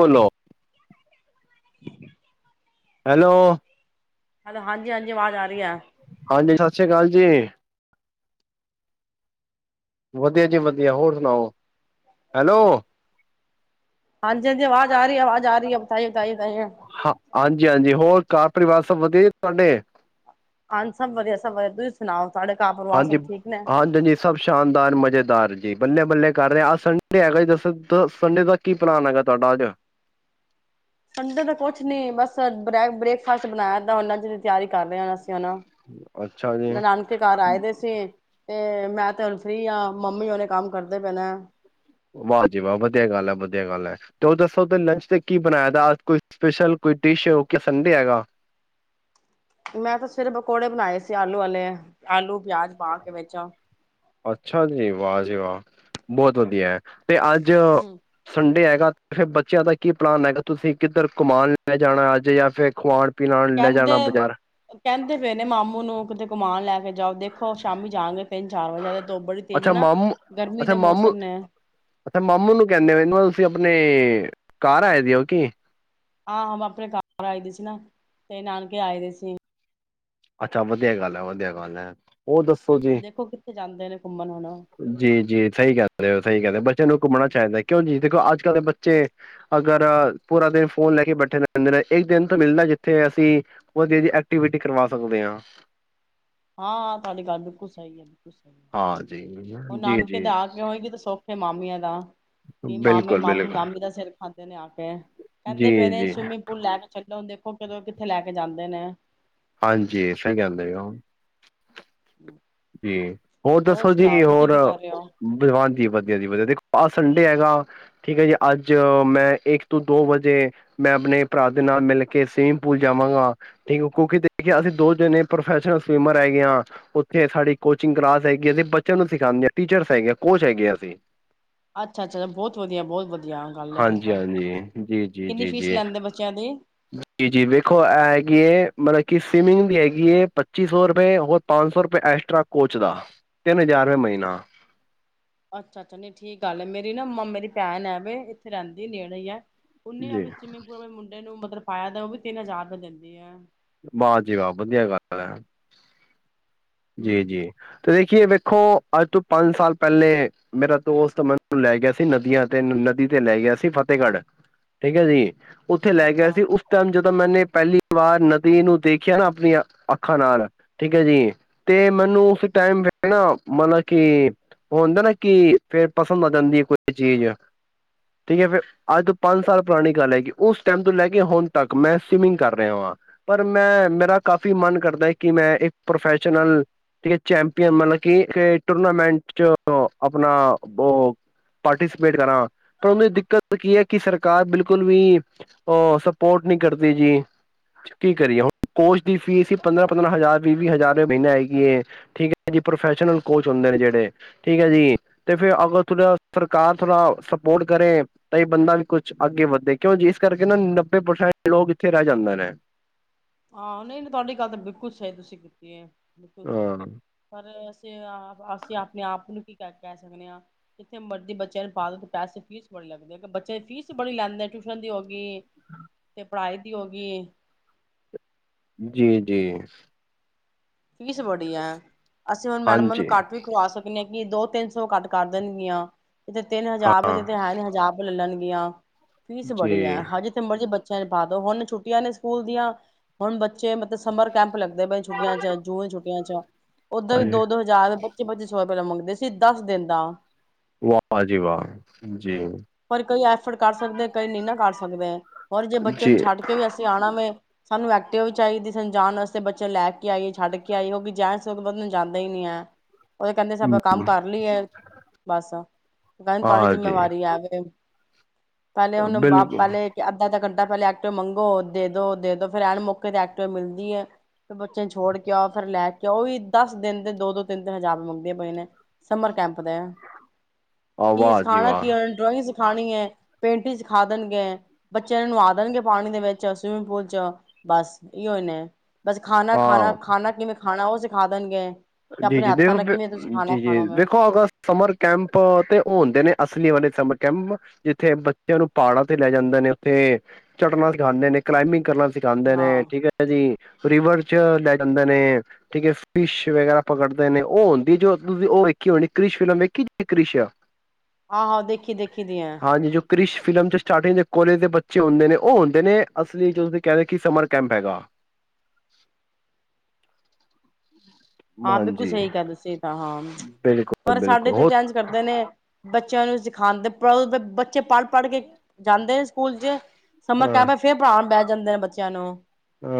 ਬੋਲੋ। Hello. Hello ਹਾਂਜੀ-ਹਾਂਜੀ ਆਵਾਜ਼ ਆ ਰਹੀ ਹੈ। ਹਾਂਜੀ ਸਤਿ ਸ਼੍ਰੀ ਅਕਾਲ ਜੀ। ਵਧੀਆ ਜੀ ਵਧੀਆ ਹੋਰ ਸੁਣਾਓ। ਹੈਲੋ ਹਾਂਜੀ-ਹਾਂਜੀ ਆਵਾਜ਼ ਆ ਰਹੀ ਆਵਾਜ਼ ਆ ਰਹੀ ਹੈ। [unintelligible] ਹਾਂ, ਹਾਂਜੀ- ਹਾਂਜੀ ਹੋਰ ਕਾਰ ਪਰਿਵਾਰ ਸਭ ਵਧੀਆ ਤੁਹਾਡੇ। ਅ ਸਭਰ ਸਭ ਦ ਸੁਣਾਓ ਸਾਰੇ ਕੰਮ ਹਾਂਜੀ, ਹਾਂਜੀ-ਹਾਂਜੀ। ਸਭ ਸ਼ਾਨਦਾਰ ਮਜ਼ੇਦਾਰ ਜੀ ਬੱਲੇ- ਬੱਲੇ ਕਰ ਰਹੇ ਆਹ ਸੰਡੇ ਹੈਗਾ ਜੀ ਦੱਸ ਸੰਡੇ ਦਾ ਕੀ ਪਲਾਨ ਹੈਗਾ ਤੁਹਾਡਾ ਅੱਜ ਇਦਾ ਦਾ ਤਾਂ ਕੁਛ ਨੀ ਬਸ ਬ੍ਰੇਕਫਾਸਟ ਬਣਾਇਆ ਤਾਂ ਉਹਨਾਂ ਦੀ ਤਿਆਰੀ ਕਰ ਰਹੇ ਹਾਂ। ਅ ਅੱਛਾ ਜੀ ਨਨਾਨ ਕੇ ਘਰ ਆਏ ਦੇ ਸੀ ਤੇ ਮੈਂ ਤੇ ਹੁਣ ਫਰੀ ਹਾਂ ਮੰਮੀ ਹੂਣੇ ਕੰਮ ਕਰਦੇ ਪਏ ਨੇ। ਵਾਹਜੀ ਵਾਹ ਵਧੀਆ ਗੱਲ ਹੈ ਵਧੀਆ ਗੱਲ ਏ ਤੇ ਉਹ ਦੱਸੋ ਤੇ ਲੰਚ ਤੇ ਕੀ ਬਣਾਇਆ ਦਾਲ ਕੋਈ ਸਪੈਸ਼ਲ ਕੋਈ ਡਿਸ਼ ਸੰਡੇ ਹੈਗਾ ਮੈਂ ਤਾਂ ਸਵੇਰ ਪਕੌੜੇ ਬਣਾਏ ਸੀ ਆਲੂ ਵਾਲੇ ਆਲੂ ਪਿਆਜ ਪਾ ਕੇ ਵਿੱਚ ਅੱਛਾ ਜੀ ਵਾਹ ਜੀ ਵਾਹ ਬਹੁਤ ਵਧੀਆ ਹੈ। ਤੇ ਅੱਜ ਹੂੰ ਸੰਡੇ ਹੈਗਾ, ਫੇਰ ਬੱਚਿਆਂ ਦਾ ਕੀ ਪਲਾਨ ਹੈਗਾ। ਤੁਸੀਂ ਕਿੱਧਰ ਘੂਮਾੰਣ ਲੈ ਜਾਣਾ ਅੱਜ ਜਾਂ ਫੇਰ ਖਵਾਣ ਪਿਲਾਣ ਲੈ ਕਹਿੰਦੇ, ਜਾਣਾ ਬਾਜ਼ਾਰ ਕਹਿੰਦੇ ਪਏ ਨੇ ਮਾਮੂ ਨੂੰ ਕਿਤੇ ਘੂਮਾਨ ਲੈ ਕੇ ਜਾਓ ਦੇਖੋ ਸ਼ਾਮੀ ਜਾਣਗੇ ਤਿੰਨ ਚਾਰ ਵਜੇ ਧੂੱਪ ਬੜੀ ਤੇਜ਼ ਏ ਅੱਛਾ ਨਾ। ਮਾਮੂ ਗਰਮੀ ਅੱਛਾ ਦੇ ਮਾਮੂ ਮੌਸਮ ਨੇ ਅੱਛਾ ਮਾਮੂ ਨੂੰ ਕੈਂਦੇ ਹੋ ਇਹ ਤੁਸੀਂ ਆਪਣੇ ਘਾਰ ਆਏ ਦਿ ਹੋ ਕੀ ਆਹੋ ਆਪਣੇ ਘਰ ਆਏ ਦੀ ਸੀ ਨਾ ਤੇ ਨਾਨਕੇ ਆਏ ਦੇ ਸੀ ਅੱਛਾ ਵਧੀਆ ਗੱਲ ਹੈ ਵਧੀਆ ਗੱਲ ਹੈ। ਹੋਰ ਦੱਸੋ ਜੀ? ਦੇਖੋ ਕਿੱਥੇ ਜਾਂਦੇ ਨੇ ਘੁੰਮਣ ਹੁਣ ਉਹ ਜੀ ਜੀ ਸਹੀ ਕੈਂਦੇ ਹੋ ਸਹੀ ਕੈਂਦੇ ਬੱਚਿਆਂ ਨੂੰ ਘੁੰਮਣਾ ਚਾਈਦਾ ਕਿਉਂ ਜੀ ਦੇਖੋ ਅੱਜ ਕੱਲ੍ਹ ਦੇ ਬੱਚੇ ਅਗਰ ਪੂਰਾ ਦਿਨ ਫੋਨ ਲੈ ਕੇ ਬੈਠੇ ਰੈੱਂਦੇ ਇੱਕ ਦਿਨ ਤੋਂ ਮਿਲਦਾ ਜਿੱਥੇ ਅਸੀਂ ਵਧੀਆ ਜੀ ਐਕਟੀਵਿਟੀ ਕਰਵਾ ਸਕਦੇ ਹਾਂ। ਹਾਂ ਤੁਹਾਡੀ ਗੱਲ ਬਿਲਕੁਲ ਸਹੀ ਹੈ। ਹਾਂ ਜੀ, ਉਹ ਜੀ, ਨਾਨਕੇ ਜੀ ਦੇ ਆ ਕੇ ਹੋਏਗੀ ਤੇ ਸਖ ਤੇ ਮਾਮੀਆਂ ਦਾ ਵੀ ਮਾਮੇ ਬਿਲਕੁਲ, ਮਾਮੀ, ਬਿਲਕੁਲ ਮਾਮੀ ਦਾ ਸਿਰ ਖਾਂਦੇ ਨੇ ਆ ਕੇ ਕਹਿੰਦੇ ਪਏ ਜੀ, ਨੇ ਜੀ ਸਵੀਮਿੰਗ ਪੂਲ ਲੈ ਕੇ ਛੱਡੋ ਦੇਖੋ, ਕਿਦੋਂ ਕਿੱਥੇ ਲੈ ਕੇ ਜਾਂਦੇ ਨੇ। ਹਾਂਜੀ ਇਸੇ ਕੈਂਦੇ ਹੋਣ ਜੀ, ਹੋਰ ਦੱਸੋ ਸੁਣਾਓ ਜੀ ਤੁਸੀਂ ਹੋਰ ਕੀ ਕਰ ਰਹੇ ਹੋ ਦਿਵਾਨ ਜੀ, ਵਧੀਆ ਜੀ ਵਧੀਆ ਦੇਖੋ ਆਹ ਸੰਡੇ ਹੈਗਾ ਠੀਕ ਹੈ ਜੀ, ਅੱਜ ਮੈਂ ਇੱਕ ਤੋਂ ਦੋ ਵਜੇ ਮੈਂ ਆਪਣੇ ਭਰਾ ਦੇ ਨਾਲ ਮਿਲ ਕੇ ਸਵੀਮਿੰਗ ਪੂਲ ਜਾਵਾਂਗਾ। ਠੀਕ ਕਿਉਂਕਿ ਦੇਖਿਆ, ਅਸੀਂ ਦੋ ਜਣੇ ਪ੍ਰੋਫੈਸ਼ਨਲ ਸਵਿਮਰ ਹੈਗੇ ਹਾਂ। ਸਾਡੀ ਕੋਚਿੰਗ ਕਲਾਸ ਹੈਗੀ। ਅਸੀਂ ਬੱਚਿਆਂ ਨੂੰ ਸਿਖਾਉਂਦੇ, ਟੀਚਰਸ ਹੈਗੇ ਹਾਂ ਕੋਚ ਹੈਗੇ ਆ ਅਸੀਂ। ਅੱਛਾ ਅੱਛਾ, ਬਹੁਤ ਵਧੀਆ ਐ ਬਹੁਤ ਵਧੀਆ ਗੱਲ ਹੈ ਫਿਰ ਹਾਂਜੀ ਤਾਂ ਹਾਂਜੀ ਜੀ ਜੀ ਕਿੰਨੀ ਜੀ ਫੀਸ ਜੀ ਲੈਂਦੇ ਬੱਚਿਆਂ ਦੀ? ਜੀ ਜੀ ਵੇਖੋ ਇਹ ਹੈਗੀ ਹੈ। ਮਤਲਬ ਕਿ ਸਵਿਮਿੰਗ ਦੀ ਹੈਗੀ ਹੈ ਪੱਚੀ ਸੌ ਰੁਪਏ ਹੋਰ ਪੰਜ ਸੌ ਰੁਪਏ ਐਕਸਟਰਾ ਕੋਚ ਦਾ ਤਿੰਨ ਹਜ਼ਾਰ ਰੁਪਏ ਮਹੀਨਾ। ਅੱਛਾ ਅੱਛਾ ਨੀ ਠੀਕ ਗੱਲ ਹੈ ਮੇਰੀ ਨਾ ਮੰਮਾ ਮੇਰੀ ਭੈਣ ਹੈਵੇ ਇੱਥੇ ਰੈਂਦੀ ਨੇੜੇ ਹੈ। ਉਨੇ ਆ ਜੀ ਸਵਿਮਿੰਗ ਪੁਲ ਮੁੰਡੇ ਨੂੰ ਮਤਲਬ ਪਾਇਆ ਉਹ ਵੀ ਤਿੰਨ ਹਜਾਰ ਰੁਪੇ ਦਿੰਦੀ ਆ ਵਾਹ ਜੀ ਵਾਹ, ਵਧੀਆ ਗੱਲ ਹੈ। ਜੀ ਹੂੰ ਜੀ ਤੇ ਦੇਖੀਏ ਵੇਖੋ ਅੱਜ ਤੋਂ ਪੰਜ ਸਾਲ ਪੈਲੇ ਮੇਰਾ ਦੋਸਤ ਮੈਨੂੰ ਲੈ ਗਿਆ ਸੀ। ਨਦੀਆਂ ਤੇ ਨਦੀ ਤੇ ਲੈ ਗਿਆ ਸੀ। ਫਤਿਹਗੜ੍ਹ ਠੀਕ ਹੈ ਜੀ ਉੱਥੇ ਲੈ ਗਿਆ ਅੱਛਾ ਸੀ ਉਸ ਟੈਮ ਜਦੋਂ ਮੈਨੇ ਪਹਿਲੀ ਵਾਰ ਨਦੀ ਨੂੰ ਦੇਖਿਆ ਨਾ ਆਪਣੀਆਂ ਅੱਖਾਂ ਨਾਲ ਠੀਕ ਹੈ। ਜੀ ਅਤੇ ਮੈਨੂੰ ਉਸ ਹੂੰ ਟਾਈਮ ਵੇਣਾ ਮਤਲਬ ਕੀ ਉਹ ਹੁੰਦਾ ਨਾ ਕਿ ਫੇਰ ਪਸੰਦ ਆ ਜਾਂਦੀ ਕੋਈ ਚੀਜ਼ ਠੀਕ ਹੈ ਫਿਰ ਅੱਜ ਤੋਂ ਪੰਜ ਸਾਲ ਪੁਰਾਣੀ ਗੱਲ ਹੈਗੀ ਉਸ ਟੈਮ ਤੋਂ ਲੈ ਕੇ ਹੁਣ ਤੱਕ ਮੈਂ ਸਵਿਮਿੰਗ ਕਰ ਰਿਹਾ ਵਾਂ ਪਰ ਮੈਂ, ਮੇਰਾ ਕਾਫ਼ੀ ਮਨ ਕਰਦਾ ਹੈ ਕਿ ਮੈਂ ਇੱਕ ਪ੍ਰੋਫੈਸ਼ਨਲ ਠੀਕ ਹੈ ਚੈਂਪੀਅਨ ਮਤਲਬ ਕਿ ਟੂਰਨਾਮੈਂਟ ਚ ਆਪਣਾ ਉਹ ਪਾਰਟੀਸਪੇਟ ਕਰਾਂ। ਪਰ ਉਂਦੇ ਚ ਦਿੱਕਤ ਕੀ ਹੈ ਕਿ ਸਰਕਾਰ ਬਿਲਕੁਲ ਵੀ ਉਹ ਸਪੋਰਟ ਨਹੀਂ ਕਰਦੇ ਜੀ। ਕੀ ਕਰੀਏ ਹੁਣ ਕੋਚ ਦੀ ਫੀਸ ਸੀ ਪੰਦਰਾਂ ਪੰਦਰਾਂ ਹਜ਼ਾਰ ਵੀਹ ਵੀਹ ਹਜ਼ਾਰ ਮੀਨਾ ਹੈਗੀ ਠੀਕ ਹੈ। ਜੀ ਪ੍ਰੋਫੈਸ਼ਨਲ ਕੋਚ ਹੁੰਦੇ ਨੇ ਜਿਹੜੇ ਠੀਕ ਹੈ ਜੀ ਤੇ ਫੇਰ ਅਗਰ ਥੋੜਾ, ਸਰਕਾਰ ਥੋੜਾ ਸਪੋਰਟ ਕਰੇ ਤਾਂ ਇਹ ਬੰਦਾ ਵੀ ਕੁੱਛ ਅੱਗੇ ਵੱਧੇ। ਕਿਉਂ ਜਿਸ ਕਰਕੇ ਨਾ ਨੱਬੇ ਪ੍ਰਸੈਂਟ ਲੋਕ ਇੱਥੇ ਰਹਿ ਜਾਂਦੇ ਨੇ। ਹਾਂ, ਨਹੀਂ ਨਹੀ ਤੁਹਾਡੀ ਗੱਲ ਤਾਂ ਬਿਲਕੁਲ ਸਹੀ ਤੁਸੀਂ ਕੀਤੀ ਹੈ। ਬਿਲਕੁਲ ਸਹੀ। ਹਾਂ ਪਰ ਅਸੀਂ ਅਸੀਂ ਆਪਣੇ ਆਪ ਨੂੰ ਕੀ ਕ ਕਹਿ ਸਕਦੇ ਹਾਂ ਜਿੱਥੇ ਮਰਜ਼ੀ ਬੱਚਿਆਂ ਨੂੰ ਪਾ ਦਿਓ ਪੈਸੇ ਫੀਸ ਬੜੇ ਲੱਗਦੀ ਹੈ। ਬੱਚਿਆਂ ਦੀ ਫੀਸ ਬੜੀ ਲੈਂਦੇ ਟਿਊਸ਼ਨ ਦੀ ਹੋ ਗਈ ਪੜਾਈ ਵੀ ਹੋ ਗਈ ਏ ਜੀ ਜੀ। ਫੀਸ ਬੜੀ ਹੈ ਅਸੀਂ ਹੁਣ ਮੈਡਮਾ ਨੂੰ ਹਾਂਜੀ ਘਟ ਵੀ ਕਰਵਾ ਸਕਦੇ ਹ ਕਿ ਦੋ ਤਿੰਨ ਸੌ ਘਟ ਕਰ ਦੇਣਗੀਆਂ ਇਹ ਤਿੰਨ ਹਜ਼ਾਰ ਹਾਂ ਇਦੇ ਤੇ ਹੈ ਹਜ਼ਾਰ ਲੈਲੰਗੀਆਂ ਫੀਸ ਬੜੀ ਜੀ ਐ ਹਜੇ ਮਰੀ ਬੱਚਿਆਂ ਨਿ ਪਾ ਦੋ ਹੁਣ ਛੁੱਟੀਆਂ ਨੇ ਸਕੂਲ ਦੀਆਂ ਹੁਣ ਬੱਚੇ ਮਤਲਬ ਸਮਰ ਕੈਂਪ ਲੱ ਛੁੱਟੀਆਂ ਚ ਜੂਨ ਛੁੱਟੀਆਂ ਚ ਓਦਰ ਵੀ ਹਾਂਜੀ ਦੋ ਦੋ ਹਜ਼ਾਰ ਪੱਚੀ ਪੱਚੀ ਸੌ ਰੂਪਏ ਮੰਗਦੇ ਸੀ ਦਸ ਦਿਨ ਦਾ। ਵਾਹ ਜੀ ਵਾਹ ਜੀ ਪਰ ਕਈ ਐਫਰਟ ਕਰ ਸਕਦੇ ਕਈ ਨਹੀਂ ਨਾ ਕਰ ਸਕਦੇ ਪਰ ਜੇ ਬੱਚੇ ਨੂੰ ਜੀ ਛੱਡ ਕੇ ਵੀ ਅਸੀਂ ਆਣਾ ਵੇ ਸਾਨੂੰ ਐਕਟਿਵਾ ਚਾਈਦੀ ਸੀ ਜਾਣ ਵਾਸਤੇ ਬੱਚੇ ਲੈ ਕੇ ਆਈਏ ਛੱਡ ਕੇ ਆਈਏ ਹੋਗੀ ਜ ਬਾ ਨੂੰ ਜਾਂਦਾ ਹੀ ਨਹੀਂ ਹੈ। ਉਹ ਕੈਂਦੇ ਸਭ ਕੰਮ ਕਰ ਲਈ ਹੈ। ਬਸ ਕੈਂਦੇ ਤੁਹਾਡੀ ਹਾਂ ਜੀ ਜਿੰਮੇਵਾਰੀ ਆਵੇ ਪਹਿਲੇ ਹੁਣ [unintelligible] ਬਿਲਕੁਲ ਪਹਿਲੇ ਕਿ ਅੱਧਾ ਅੱਧਾ ਘੰਟਾ ਪਹਿਲੇ ਐਕਟਿਵਾ ਮੰਗੋ ਦੇ ਦੋ ਦੇ ਦੋ ਫੇਰ ਐਨ ਮੌਕੇ ਤੇ ਐਕਟਿਵਾ ਮਿਲਦੀ ਐ। ਤੇ ਬੱਚੇ ਨੂੰ ਛੋੜ ਕੇ ਆਓ ਫੇਰ ਲੈ ਕੇ ਆਓ ਵੀ ਦਸ ਦਿਨ ਤੇ ਦੋ ਦੋ ਤਿੰਨ ਤਿੰਨ ਹਜ਼ਾਰ ਮੰਗਦੇ ਪਏ ਨੇ। ਸਮਰ ਕੈਂਪ ਦੇ ਆਹ ਕੀ ਵਾਹ ਜੀ ਸਿਖਾਣਾ ਵਾਹ ਕੀ ਉਹ ਡਰੋਇੰਗ ਸਿਖਾਣੀ ਐ ਪੇਂਟਿੰਗ ਸਿਖਾ ਦੇਣਗੇ। ਬੱਚਿਆਂ ਨੂੰ ਨਵਾ ਦੇਣਗੇ ਪਾਣੀ ਦੇ ਵਿੱਚ ਸਵਿਮਿੰਗ ਪੂਲ ਚ ਬਸ ਇਹੋ ਹੀ ਨੇ ਬਸ ਖਾਣਾ ਖਾਣਾ ਹਾਂ ਖਾਣਾ ਕਿਵੇਂ ਖਾਣਾ ਉਹ ਸਿਖਾ ਦੇਣਗੇ। ਜੀ ਆਪਣੇ ਜੀ ਹੱਥਾਂ ਦੇਖੋ ਨਾਲ ਕਿਵੇਂ ਤੁਸੀਂ ਖਾਣਾ ਜੀ ਜੀ ਖਾਣਾ ਮੈਂ ਦੇਖੋ ਅਗਸਤ ਸਮਰ ਕੈਂਪ ਤੇ ਓ ਹੁੰਦੇ ਨੇ ਅਸਲੀ ਵਾਲੇ ਸਮਰ ਕੈਂਪ ਜਿੱਥੇ ਬੱਚਿਆਂ ਨੂੰ ਪਹਾੜਾਂ ਤੇ ਲੈ ਜਾਂਦੇ ਨੇ ਉੱਥੇ ਚੜਨਾ ਸਿਖਾਂਦੇ ਨੇ ਕਲਾਈਬਿੰਗ ਕਰਨਾ ਸਿਖਾਉਂਦੇ ਨੇ ਹਾਂ ਠੀਕ ਹੈ ਜੀ ਰਿਵਰ ਚ ਲੈ ਜਾਂਦੇ ਨੇ ਠੀਕ ਹੈ ਫਿਸ਼ ਵਗੈਰਾ ਪਕੜਦੇ ਨੇ ਉਹ ਹੁੰਦੀ ਜੋ ਤੁਸੀਂ ਉਹ ਵੇਖੀ ਹੋਣੀ ਕ੍ਰਿਸ਼ ਫਿਲਮ ਵੇਖੀ ਜੇ ਕ੍ਰਿਸ਼? ਆਹੋ ਦੇਖੀ ਦੇਖੀ ਦੀਆਂ ਹਾਂਜੀ ਜੋ ਕ੍ਰਿਸ਼ ਫਿਲਮ ' ਸਟਾਰਟਿੰਗ ਦੇ ਕੋਲੇਜ ਦੇ ਬੱਚੇ ਹੁੰਦੇ ਨੇ ਉਹ ਹੁੰਦੇ ਨੇ ਅਸਲੀ ਜੋ ਤੁਸੀਂ ਕਹਿੰਦੇ ਕਿ ਸਮਰ ਕੈਂਪ ਹੈਗਾ। ਹਾਂ ਬਿਲਕੁਲ ਹਾਂਜੀ ਸਹੀ ਗ ਦੱਸੇ ਤਾਂ ਹਾਂ ਬਿਲਕੁਲ ਪਰ ਸਾਡੇ ਬਿਲਕੁਲ ਤੇ ਹੋ ਐਂਜ ਕਰਦੇ ਨੇ ਬੱਚਿਆਂ ਨੂੰ ਸਿਖਾਣਦੇ ਪ ਬੱਚੇ ਪੜ੍ਹ ਪੜ ਕੇ ਜਾਂਦੇ ਨੇ ਸਕੂਲ ਚ ਸਮਰ ਹਾਂ ਕੈਂਪ ਫੇਰ ਪੜਾਣ ਬਹਿ ਜਾਂਦੇ ਨੇ ਬੱਚਿਆਂ ਨੂੰ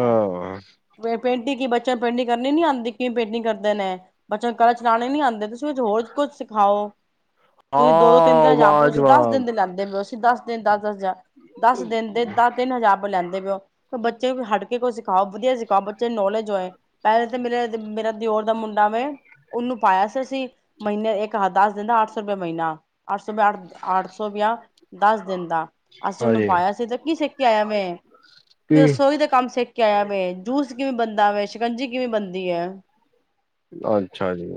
ਹੈਂ ਪੇਂਟਿੰਗ ਬੱਚਿਆਂ ਨੂੰ ਪੇਂਟਿੰਗ ਕਰਨੀ ਨੀ ਆਉਂਦੀ ਕਿਵੇਂ ਪੇਂਟਿੰਗ ਕਰਦੇ ਨੇ। ਬੱਚਿਆਂ ਨੂੰ [unintelligible] ਚਲਾਣੇ ਨੀ ਆਂਦੇ ਤੁਸੀਂ ਹੋਰ ਕੁਛ ਸਿਖਾਓ ਤੁਸੀਂ ਦੋ ਦੋ ਤਿੰਨ ਹਾਂ ਤਿੰਨ ਜਾਰ ਤੁਸੀਂ ਦਸ ਵਾਜਵਾਬ ਦਿਨ ਦੇ ਲੈਂਦੇ ਪ ਹੋ ਦਸ ਦਿਨ ਦਸ- ਦਸ ਹਜ਼ਾਰ ਦਸ ਦਿਨ ਦੇ ਦਸ ਤਿੰਨ ਹਜ਼ਾਰ ਲੈਂਦੇ ਪੇ ਓ ਬੱਚੇ ਹਟ ਕੇ ਕੋਈ ਸਿਖਾਓ ਵਧੀਆ ਸਿਖਾਓ ਬੱਚੇ ਨੌਲੇਜ ਹੋਏ ਪਹਿਲੇ ਤਾਂ ਮੇਰੇ। ਮੇਰਾ ਦਿਓਰ ਦਾ ਮੁੰਡਾ ਵੇ ਉਹਨੂੰ ਪਾਇਆ ਸੀ ਅਸੀਂ ਮਹੀਨੇ ਇੱਕ ਦੱਸ ਦਿੰਨ ਦਾ ਅੱਠ ਸੌ। ਰੁਪਏ ਮ੍ਹੀਨਾ ਅੱਠ ਸੌ ਰੁਪਿਆ ਅੱਠ-ਅੱਠ ਸੌ ਗਿਆ ਦਸ ਦਿਨ ਦਾ ਅਸੀਂ ਉਹਨੂੰ ਹਾਂਜੀ ਪਾਇਆ ਸੀ ਤੇ ਕੀ ਸਿੱਖ ਕੇ ਆਇਆ ਵੇ ਕੀ ਰਸੋਈ ਦੇ ਕੰਮ ਸਿੱ ਖ ਕੇ ਆਇਆ ਵੇ ਜੂਸ ਕਿਵੇਂ ਬਣਦਾ ਵੇ ਸ਼ਿਕੰਜੀ ਕਿਵੇਂ ਬਣਦੀ ਏ। ਅੱਛਾ ਜੀ।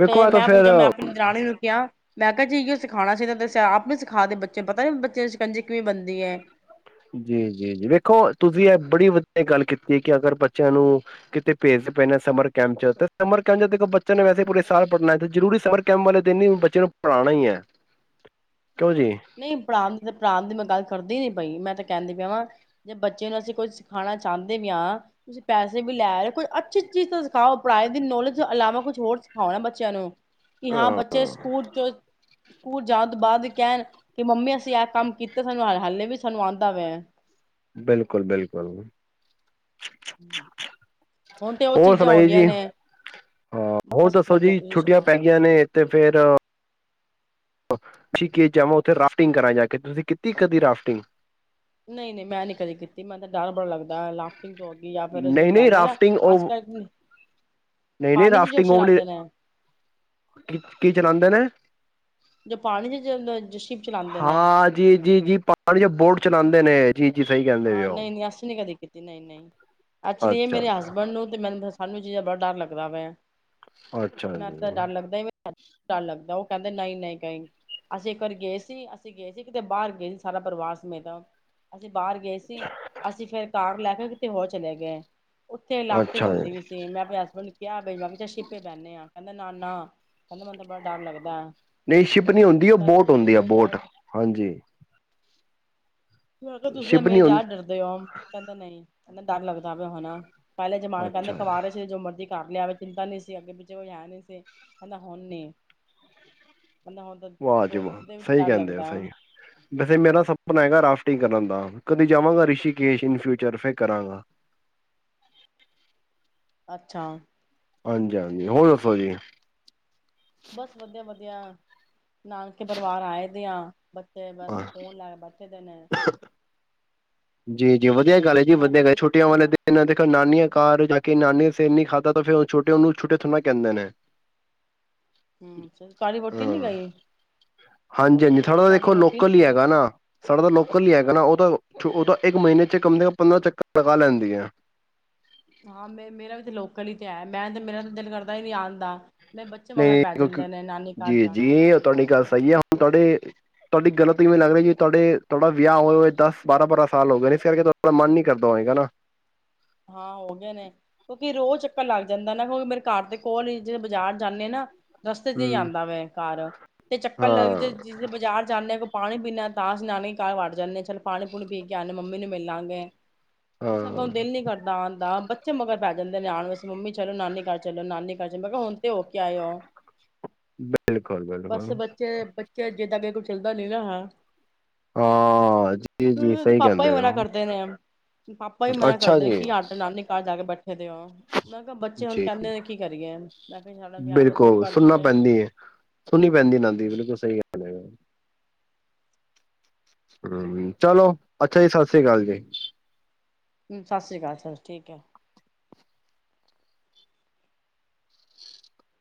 ਵੇਖੋ ਤੇ ਇਹ ਤਾਂ ਮੈਂ ਫੇਰ ਪੂਜਾ ਮੈਂ ਆਪਣੀ ਦਰਾਣੀ ਨੂੰ ਕਿਹਾ। ਮੈਂ ਕਿਹਾ ਜੀਹੀਓ ਸਿਖਾਣਾ ਸੀ ਤੇ ਅਸੀਂ ਆਪ ਵੀ ਸਿਖਾਦੇ ਬੱਚੇ ਨੂੰ ਪਤਾ ਨੀ ਬੱਚੇ ਦੀ ਸ਼ਿਕੰਜੇ ਕਿਵੇਂ ਬਣਦੀ ਏ। ਜੀ-ਜੀ-ਜੀ ਵੇਖੋ ਤੁਸੀਂ ਇਹ ਬੜੀ ਵਧੀਆ ਗੱਲ ਕੀਤੀ ਐ ਕਿ ਅਗਰ ਬੱਚਿਆਂ ਨੂੰ ਕਿਤੇ ਭੇਜਦੇ ਪਏ ਨੇ ਸਮਰ ਕੈਂਪ ਚ ਤੇ ਸਮਰ ਕੈਂਪ ਚ ਦੇਖੋ ਬੱਚਿਆਂ ਨੇ ਵੈਸੇ ਪੂਰੇ ਸਾਲ ਪੜ੍ਹਨਾ ਜ਼ਰੂਰੀ ਸਮਰ। ਕੈਮ ਵਾਲੇ ਦਿਨ ਬੱਚੇ ਨੂੰ ਪੜ੍ਹਾਣਾ ਹੀ ਹੈ ਕਿਉਂ ਜੀ। ਨਹੀਂ ਪੜ੍ਹਾਣ ਦੀ ਪੜਾਨ ਦੀ ਮੈਂ ਗੱਲ ਕਰਦੀ ਨੀ ਪਈ ਮੈਂ ਤਾਂ ਕਹਿੰਦੀ ਪਿਆ ਵਾਂ। ਜੇ ਬੱਚੇ ਨੂੰ ਅਸੀਂ ਕੁੱਝ ਸਿਖਾਣਾ ਚਾਹੁੰਦੇ ਵੀ ਹਾਂ ਤੁਸੀਂ ਪੈਸੇ ਵੀ ਲੈ ਰਹੇ ਹੋ ਕੁਈ ਅੱਛੀ ਚੀਜ਼ ਤਾਂ। ਸਿਖਾਓ ਪੜ੍ਹਾਈ ਦੀ ਨੌਲੇਜ ਇਲਾਵਾ ਕੁਛ ਹੋਰ ਸਿਖਾਓ ਨਾ ਬੱਚਿਆਂ ਨੂੰ। ਕਿ ਹਾਂ ਬੱਚੇ ਸਕੂਲ ਚ ਸਕੂਲ ਜਾਣ ਤੋਂ ਬਾਅਦ ਕਹਿਣ। ਕਿ ਮੰਮੀ ਅਸੀਂ ਆ ਕੰਮ ਕੀਤੇ ਸਾਨੂੰ ਹਾਲੇ ਵੀ ਸਾਨੂੰ ਆਂਦਾ ਵੈ। ਬਿਲਕੁਲ-ਬਿਲਕੁਲ। [inaudible] ਹੁਣ ਤੇ ਉਹ ਹੋਰ ਚੀਜ਼ਾਂ ਹੋ ਸੁਣਾਈਏ ਗਈਆਂ ਜੀ ਨੇ ਹਾਂ ਹੋਰ ਦੱਸੋ ਵਧੀਆ ਜੀ ਤੁਸੀਂ ਛੁੱਟੀਆਂ ਸੁਣਾਓ। ਪੈ ਗਈਆਂ ਨੇ। ਤੇ ਫੇਰ। ਠੀਕ ਆ ਜਾਵਾਂ ਉੱਥੇ ਰਾਫਟਿੰਗ ਕਰਾ ਜਾ ਕੇ ਤੁਸੀਂ ਕੀਤੀ ਕਦੀ ਰਾਫਟਿੰਗ। ਨਈ-ਨਈ ਮੈਂ ਨੀ ਕਦੀ ਕੀਤੀ ਮੈਨੂੰ ਤਾਂ ਡਰ ਬੜਾ ਲੱਗਦਾ ਐ ਲਾ। ਤੋਂ [unintelligible] ਜਾਂ ਫਿਰ ਜੋ ਨਹੀਂ ਨਹੀਂ ਲੈਂਦੇ ਨਾ ਰਾਫਟਿੰਗ ਉਹ ਅੱਜ ਕੱਲ। ਨਹੀਂ-ਨਹੀਂ ਪਾਣੀ ਚ ਰਾਫਟਿੰਗ ਜੋਸ਼ ਵਾਲੀ ਲਾਂਦੇ ਨੇ ਉਹ। ਕੀ ਕੀ ਚਲਾਉਂਦੇ ਨੇ ਜੋ ਪਾਣੀ ਦੇ ਸ਼ਿਵ ਚਲਾਂਦੇ ਨੇ। ਹਾਂ ਜੀ-ਜੀ-ਜੀ ਪਾਣੀ ਚ ਬੋਟ ਚਲਾਂਦੇ ਨੇ। ਜੀ-ਜੀ ਸਹੀ ਗੱਲ। ਆਹ ਨਹੀਂ-ਨਹੀਂ ਅਸੀਂ ਨੀ ਕਦੇ ਕੀਤੀ ਨਹੀਂ ਨਹੀਂ ਐਚੁਲੀ ਇਹ ਮੇਰੇ ਅੱਛਾ-ਅੱਛਾ, ਹਸਬੈਂਡ ਨੂੰ ਤੇ ਮੈਨੂੰ। ਸਾਨੂੰ ਚੀਜ਼ਾਂ ਬੜਾ ਡਰ ਲੱਗਦਾ ਵੈ ਅੱਛਾ ਅੱਛਾ ਮੈਂ ਤਾਂ ਜੀ। ਡਰ ਲੱਗਦਾ ਹੀ। ਡਰ ਲੱਗਦਾ ਉਹ ਕਹਿੰਦੇ ਨਹੀਂ ਨਹੀਂ ਕਈ। ਅਸੀਂ ਇੱਕ ਵਾਰੀ ਗਏ ਸੀ ਅਸੀਂ ਗਏ ਸੀ ਕਿਤੇ ਬਾਹਰ ਗਏ ਸੀ ਸਾਰਾ ਪਰਿਵਾਰ ਸਮੇਤ। ਅਸੀਂ ਬਾਹਰ ਗਏ ਸੀ ਅਸੀਂ ਫਿਰ ਕਾਰ ਲੈ ਕੇ ਕਿਤੇ ਹੋਰ ਚਲੇ ਗਏ ਉੱਥੇ ਲਾਫਟਿੰਗ ਅੱਛਾ ਜੀ, ਹੁੰਦੀ ਵੀ ਸੀ। ਤੇ ਮੈਂ ਆਪਣੇ ਹਸਬੈਂਡ ਨੂੰ ਕਿਹਾ ਮੈਂ ਕਿਹਾ ਚ ਛਿੱਪੇ ਬਹਿੰਨੇ ਆ ਕਹਿੰਦਾ ਨਾ-ਨਾ। ਕਹਿੰਦਾ ਮੈਨੂੰ ਬੜਾ ਡਰ ਲੱਗਦਾ, ਨਹੀਂ ਸ਼ਿਪ ਨੀ ਹੁੰਦੀ ਉਹ ਮੈਂ ਕਿਹਾ ਬੋਟ ਤੁਸੀਂ ਤੇ ਹੁੰਦੀ ਆ ਮੇਰੀ ਬੋਟ ਜਾੜ ਹਾਂਜੀ। ਦੂਸਰੇ ਸ਼ਿਪ ਮੇਰੇ ਨੀ ਜਾ ਹੁੰਦੀ ਡਰਦੇ ਹੋ ਕਹਿੰਦਾ ਨਹੀਂ ਕਹਿੰਦਾ ਡਰ ਲੱਗਦਾ ਪਿਆ ਹਨਾ। ਪਹਿਲੇ ਜਮਾਨ ਕਿੰਦੇ ਅੱਛਾ ਇੱਕ ਵਾਰ। ਜੋ ਮਰਜ਼ੀ ਕਰ ਲਿਆਵੇ ਚਿੰਤਾ ਨੀ ਸੀ ਅੱਗੇ ਪਿੱਛੇ ਕੋਈ ਹੈਂ ਨੀ ਸੀ ਕਹਿੰਦਾ ਹੁਣ ਨੀ। [unintelligible] ਵਾਹ, ਜੀ ਵਾਹ, ਸੋਚਦੇ ਵੀ ਸਹੀ ਡਰ ਕਹਿੰਦੇ ਲੱਗਦਾ ਸਹੀ ਵੈਸੇ ਮੇਰਾ ਸਪਨਾ ਹੈਗਾ ਰਾਫਟਿੰਗ ਕਰਨ ਦਾ, ਕਦੀ ਜਾਵਾਂਗਾ ਰਿਸ਼ੀਕੇਸ਼ ਇਨ ਫਿਊਚਰ ਫਿਰ ਕਰਾਂਗਾ। ਅੱਛਾ। ਹਾਂਜੀ-ਹਾਂਜੀ ਹੋਰ ਦੱਸੋ ਜੀ। ਬਸ ਵਧੀਆ ਵਧੀਆ, ਨਾਨਕੇ ਪਰਿਵਾਰ ਆਏ ਦੇ ਆ ਬੱਚੇ ਬਸ ਫੋਨ ਲੈ ਕਿਦਨ ਐ। ਜੀ-ਜੀ ਵਧੀਆ ਗੱਲ ਹੈ ਜੀ ਮੈਂ ਵਧੀਆ ਗੱਲ ਵਿਹਲੀ ਛੋਟੀਆਂ ਬੈਠੀ ਹੋਈ ਵਾਲੇ ਆ ਤੇ ਦੇਖੋ ਨਾਨੀਆਂ ਘਰ ਜਾ ਕੇ ਨਾਨੀ ਸਿਰ ਨੀ ਖਾਧਾ ਤਾ ਫਿਰ ਉਹ ਛੋਟੇ ਉਹਨੂੰ ਛੋਟੇ ਥੋਨਾ ਕਹਿੰਦੇ ਨੇ। [inaudible] ਹੂੰ ਤੁਹਾਡੀ ਵਹੁਟੀ ਨੀ ਗਈ? ਹਾਂਜੀ-ਹਾਂਜੀ ਥੋੜਾ ਤੁਹਾਡੀ ਦੇਖੋ ਵੋਟੀ ਨੀ ਲੋਕਲ ਹੀ ਗਈ ਹੈਗਾ ਨਾ। ਸਾਡਾ ਤਾਂ ਲੋਕਲ ਹੀ ਹੈਗਾ ਨਾ, ਉਹ ਤਾਂ ਉਹ ਤਾਂ ਇੱਕ ਮਹੀਨੇ ਚ ਕਮ ਸੇ ਕਮ ਪੰਦਰਾਂ ਚੱਕਰ ਲਗਾ ਲੈਂਦੀ ਐ। ਹਾਂ ਮੇ ਮੇਰਾ ਵੀ ਤੇ ਲੋਕਲ ਹੀ ਤੇ ਹੈ ਮੈਂ ਤੇ ਮੇਰਾ ਤਾਂ ਦਿਲ ਕਰਦਾ ਹੀ ਨੀ ਆਣ ਦਾ। ਨਹੀਂ ਬੱਚੇ ਮਗਰ ਨਹੀਂ ਪੈ ਕਿਉਂਕਿ ਜਾਂਦੇ ਨੇ ਨਾਨੀ ਘਰ ਜੀ ਜਾਣਾ ਜੀ ਉਹ ਨਾਨੀ ਤੁਹਾਡੀ ਘਰ ਗੱਲ ਜਾਣਾ। ਸਹੀ ਹੈ ਹੁਣ ਤੁਹਾਡੇ ਤੁਹਾਡੀ ਗਲ ਤੋਂ ਕਿਵੇਂ ਲੱਗ ਰਹੀ ਏ ਤੁਹਾਡੇ ਤੁਹਾਡਾ ਵਿਆਹ ਹੋਏ ਹੋਏ ਦਸ ਬਾਰਾਂ-ਬਾਰਾਂ ਸਾਲ ਹੋ ਗਏ ਨੇ ਫੇਰ ਕਿਤੋਂ ਅਪਣਾ ਮਨ ਨੀ ਕਰਦਾ ਹੋਏਗਾ ਨਾ। ਹਾਂ ਹੋਗੇ ਨੇ। ਕਿਉਂਕਿ ਰੋਜ਼ ਚੱਕਰ ਲੱਗ ਜਾਂਦਾ ਨਾ ਹੁਣ ਮੇਰੇ ਘਰ ਦੇ ਕੋਲ ਹੀ ਜੇ ਬਾਜ਼ਾਰ ਜਾਨੇ ਨਾ ਰਸਤੇ ਤੇ ਹੀ ਹੂੰ ਜਾਂਦਾ ਵਾ ਘ, ਤੇ ਚੱਕਰ ਲੱਗ ਹਾਂ ਜੇ ਜਿਸ ਦਿਨ ਬਾਜ਼ਾਰ ਜਾਂਨੇ ਆਂ ਕੋਈ ਪਾਣੀ ਪੀਣਾ ਤਾਂ ਅਸੀਂ ਨਾਨੀ ਘਰ ਵੜ ਜਾ ਜਾਂਨੇ ਆਂ ਚਲ ਪਾਣੀ ਪੂਣੀ ਪੀ ਕੇ ਆਣੇ ਆਂ ਮੰਮੀ ਨੂੰ ਮਿਲਲਾਂਗੇ। [inaudible] ਸਗੋਂ ਦਿਲ ਨੀ ਆਣ ਦਾ ਬੱਚੇ ਮਗਰ ਪੈ ਜਾਂਦੇ ਨੇ ਆਣ ਵਾਸਤੇ ਮੰਮੀ ਚਲੋ ਨਾਨੀ ਘਰ ਚਲੋ ਨਾਨੀ ਘਰ ਚਲੋ ਮੈਂ ਕਿਹਾ ਹੁਣ ਤੇ ਹੋ ਕੇ ਆਏ ਹੋ। ਬਿਲਕੁਲ-ਬਿਲਕੁਲ ਤੇ ਅ ਜੇਦਾਂ ਕਹੇ ਕੋਈ ਚੱਲਦਾ ਨੀ ਨਾ ਹਾਂ। ਹਾਂ ਜੀ ਹੂੰ ਜੀ ਇਹਦੇ ਸਹੀ ਪਾਪਾ ਵੀ ਕਹਿੰਦੇ ਹੋ ਮਨਾ ਕਰਦੇ ਨੇ, ਪਾਪਾ ਵੀ ਮਨਾ ਅੱਛਾ ਕਰਦੇ ਨੇ। ਜੀ ਕੀ ਨਾਨੀ ਘਰ ਜਾ ਕੇ ਬੈਠੇ ਦੇਓਂ। ਮੈਂ ਕਿਹਾ ਬੱਚੇ ਹੁਣ ਜੀ ਕਹਿੰਦੇ ਨੇ ਕੀ ਕਰੀਏ, ਮੈਂ ਕਿਹਾ ਸਾਡਾ ਵਿਆਹ ਵਿਹਾ ਦੂਰ ਕਰ ਦਿੰਦੇ। ਸੁਨਣੀ ਪੈਂਦੀ ਇਹਨਾਂ ਦੀ ਹੂੰ ਬਿਲਕੁਲ ਸਹੀ ਗੱਲ। ਹੈ। ਹੂੰ ਚਲੋ, ਅੱਛਾ ਜੀ ਸਤਿ ਸ੍ਰੀ ਅਕਾਲ ਜੀ। ਸਤਿ ਸ਼੍ਰੀ ਅਕਾਲ ਚਲੋ ਠੀਕ ਹੈ।